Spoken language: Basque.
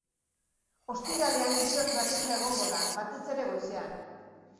Ostiralean giro traketsa egongo da, batez ere goizean.